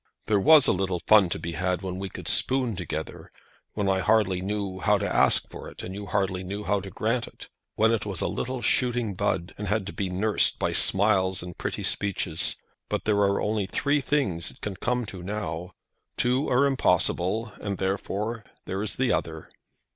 There was a little fun to be had when we could spoon together, when I hardly knew how to ask for it, and you hardly knew how to grant it; when it was a little shooting bud, and had to be nursed by smiles and pretty speeches. But there are only three things it can come to now. Two are impossible, and therefore there is the other."